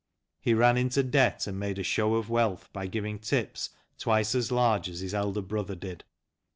He ran into debt, and made a show of wealth by giving tips twice as large as his elder brother did.